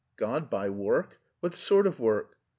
"God by work? What sort of work?"